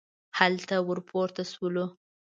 هلته ور پورته شولو.